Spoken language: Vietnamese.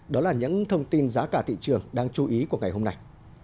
đó là những thông tin giá cả thị trường đang chú ý của ngày hôm nay